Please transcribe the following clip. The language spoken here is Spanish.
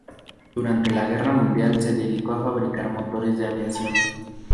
Durante la guerra mundial se dedicó a fabricar motores de aviación.